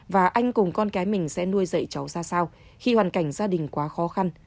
và anh cùng con cái mình sẽ nuôi dạy cháu ra sao khi hoàn cảnh gia đình quá khó khăn